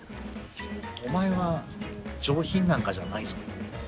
お前は上品なんかじゃないぞ。